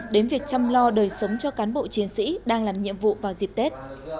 đến việc chăm lo đời sống cho cán bộ chiến sĩ đang làm nhiệm vụ vào dịp tết